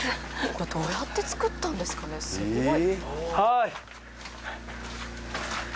どうやって作ったんですかねすごい。